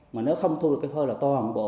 mà nếu không thu được phơi là toàn bộ